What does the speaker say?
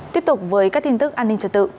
tiếp tục với các tin tức an ninh trật tự